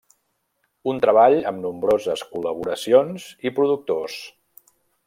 Un treball amb nombroses col·laboracions i productors.